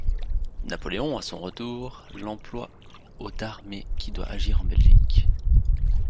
Napoléon, à son retour, l'emploie au d'armée qui doit agir en Belgique.